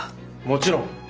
もちろん。